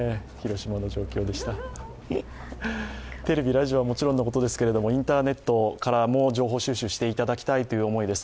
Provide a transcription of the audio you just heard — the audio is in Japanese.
テレビ、ラジオはもちろんのことですけれども、インターネットからも情報収集していただきたいという思いです。